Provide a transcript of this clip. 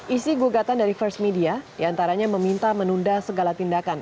isi gugatan dari first media diantaranya meminta menunda segala tindakan